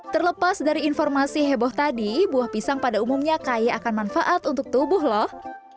terlepas dari informasi heboh tadi buah pisang pada umumnya kaya akan manfaat untuk tubuh loh